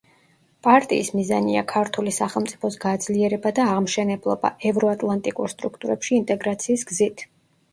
პარტიის მიზანია ქართული სახელმწიფოს გაძლიერება და აღმშენებლობა, ევროატლანტიკურ სტრუქტურებში ინტეგრაციის გზით.